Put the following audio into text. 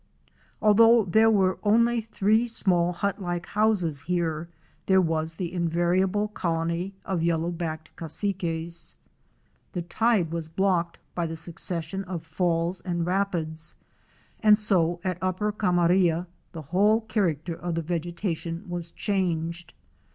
Although there were only three small, hut like houses here, there was the invari able colony of Yellow backed Cassiques."* WATER TRAIL FROM GEORGETOWN TO AREMU. 251 The tide was blocked by the succession of falls and rapids, and so at Upper Camaria the whole character of the vegeta tion was changed.